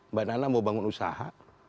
mbak nana mau bangun usaha